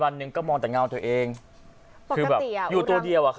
วันหนึ่งก็มองแต่เงาตัวเองปกติอ่ะอยู่ตัวเดียวอ่ะค่ะ